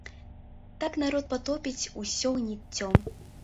Так народ патопіць усё гніццё.